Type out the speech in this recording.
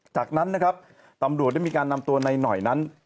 จากนั้นนะครับตำรวจได้มีการนำตัวนายหน่อยนั้น